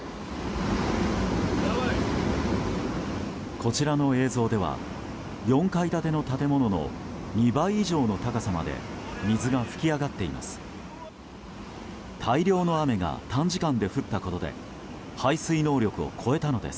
こちらの映像では４階建ての建物の２倍以上の高さまで水が噴き上がっています。